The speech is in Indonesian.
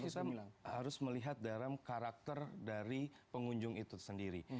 kita harus melihat dalam karakter dari pengunjung itu sendiri